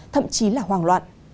thậm chí là hoàng loạn